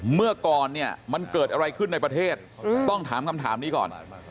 เมื่อก่อนเนี่ยมันเกิดอะไรขึ้นในประเทศต้องถามคำถามนี้ก่อน